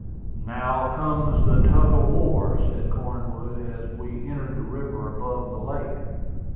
"Now comes the tug of war," said Cornwood, as we entered the river above the lake.